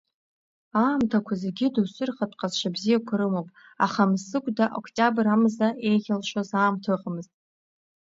Аамҭақәа зегьы доусы рхатә ҟазшьа бзиақәа рымоуп, аха Мсыгәда октиабр амза еиӷьалшьоз аамҭа ыҟамызт.